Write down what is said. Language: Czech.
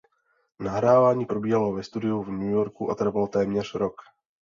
Nahrávání probíhalo ve studiu v New Yorku a trvalo téměř rok.